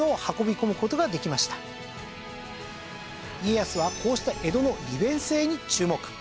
家康はこうした江戸の利便性に注目。